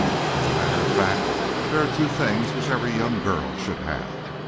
As a matter of fact, there are two things which every young girl should have.